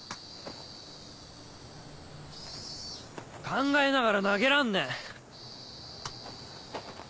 考えながら投げらんねえ。